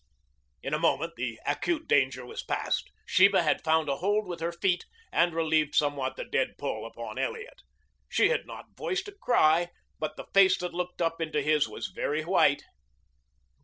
In a moment the acute danger was past. Sheba had found a hold with her feet and relieved somewhat the dead pull upon Elliot. She had not voiced a cry, but the face that looked up into his was very white.